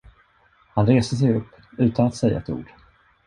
Han reste sig upp, utan att säga ett ord.